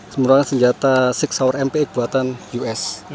semua senjata enam hour mp buatan us